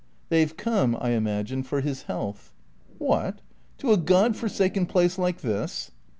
"They've come, I imagine, for his health." "What? To a god forsaken place like this?"